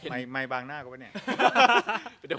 ไม่บางหน้ากว่านี้